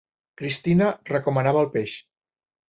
Christina recomanava el peix.